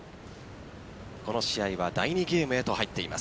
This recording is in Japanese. この試合は第２ゲームへと入っています。